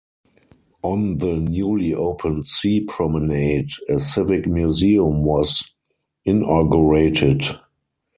On the newly opened sea promenade a Civic Museum was inaugurated.